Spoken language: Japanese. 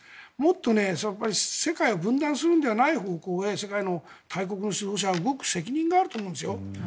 もっと世界を分断する方向ではない方向で世界の指導者は動く責任があると思います。